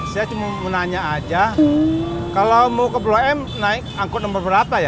saya cuma nanya aja kalau mau ke bluem naik angkut nomor berapa ya